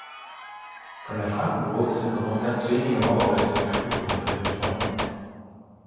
Von der Frankenburg sind nur noch ganz wenige Mauerreste und Spuren im Felsen vorhanden.